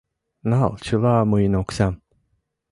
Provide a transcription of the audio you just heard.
Нал чыла мыйын оксам!